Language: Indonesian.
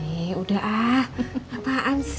eh udah ah apaan sih